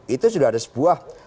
itu sudah ada sebuah